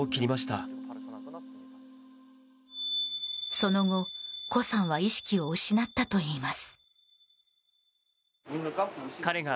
その後、コさんは意識を失ったといいます。